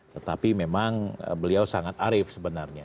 tetapi memang beliau sangat arif sebenarnya